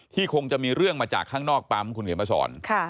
คงจะมีเรื่องมาจากข้างนอกปั๊มคุณเขียนมาสอน